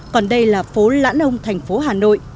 còn đây là phố lã nông tp hcm